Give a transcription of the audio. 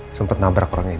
paket makanan buat bu andin